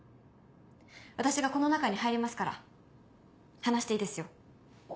私がこの中に入りますから話していいですよ。